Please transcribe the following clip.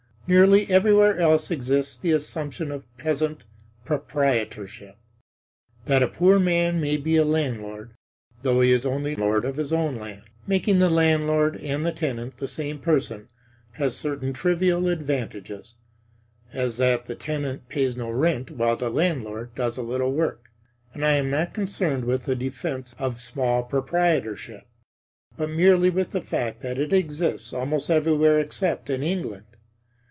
Nearly everywhere else exists the assumption of peasant proprietorship; that a poor man may be a landlord, though he is only lord of his own land. Making the landlord and the tenant the same person has certain trivial advantages, as that the tenant pays no rent, while the landlord does a little work. But I am not concerned with the defense of small proprietorship, but merely with the fact that it exists almost everywhere except in England.